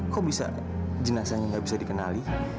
kok bisa jenasanya gak bisa dikenali